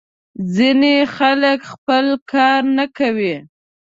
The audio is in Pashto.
ځینې خلک خپله کار نه کوي.